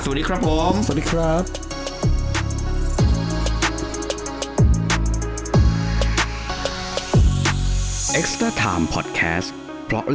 สวัสดีครับผมสวัสดีครับ